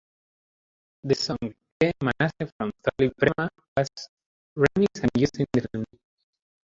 The song "Ee Manase" from "Tholi Prema" was remixed and used in the film.